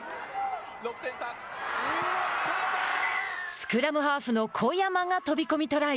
スクラムハーフの小山が飛び込みトライ。